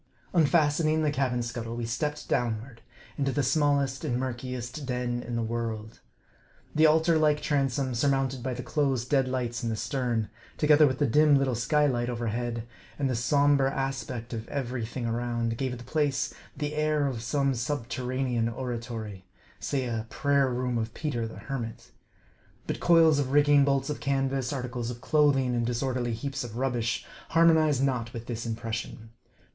Unfastening the cabin scuttle, we stepped downward into the smallest and murkiest den in the world. The altar like transom, surmounted by the closed dead lights in the stern, together with the dim little sky light overhead, and the som ber aspect of every thing around, gave the place the air of some* subterranean oratory, say a Prayer Room of Peter the Hermit. But coils of rigging, bolts of canvas, articles of clothing, and disorderly heaps of rubbish, harmonized not with this impression.